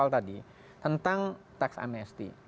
tentang tax amnesty